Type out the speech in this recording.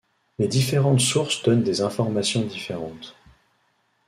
Les différentes sources donnent des informations différentes.